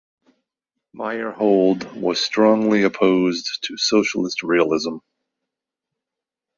Meyerhold was strongly opposed to socialist realism.